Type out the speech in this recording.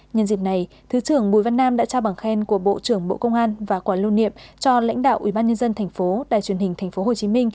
nhân dịp này thứ trưởng bùi văn nam đã trao bằng khen của bộ trưởng bộ công an và quả lưu niệm cho lãnh đạo ubnd tp đài truyền hình tp hcm